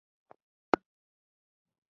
اروپا له افریقا او امریکا څخه کاملا جلا و.